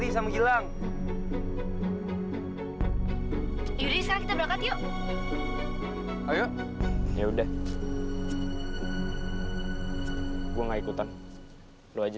sampai jumpa di video selanjutnya